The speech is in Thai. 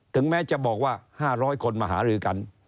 ถึงแม้จะบอกว่า๕๐๐คนมาหารือกัน